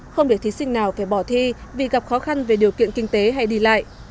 không để thí sinh nào phải bỏ thi vì gặp khó khăn về điều kiện kinh tế hay đi lại